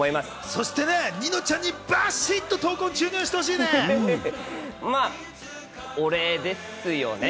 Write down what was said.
そしてニノちゃんにバシっと闘魂注入してほしいね。